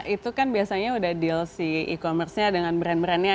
itu kan biasanya udah deal si e commerce nya dengan brand brandnya